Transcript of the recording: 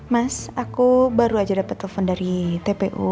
mas aku baru aja dapat telepon dari tpu